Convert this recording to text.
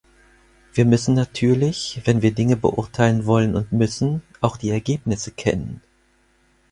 Wir müssen natürlich, wenn wir Dinge beurteilen wollen und müssen, auch die Ergebnisse kennen.